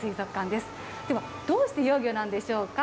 ではどうして幼魚なんでしょうか？